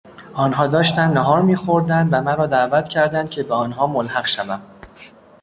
آنها داشتند نهار میخوردند ومرا دعوت کردند که به آنها ملحق شوم.